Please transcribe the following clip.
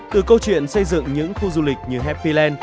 từ câu chuyện xây dựng những khu du lịch như happyland